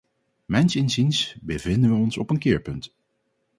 Mijns inziens bevinden wij ons op een keerpunt.